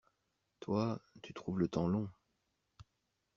Toi, tu trouves le temps long.